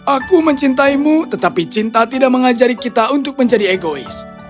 aku mencintaimu tetapi cinta tidak mengajari kita untuk menjadi egois